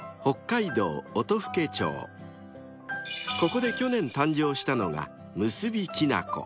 ［ここで去年誕生したのが結きなこ］